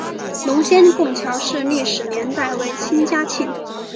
龙仙拱桥的历史年代为清嘉庆。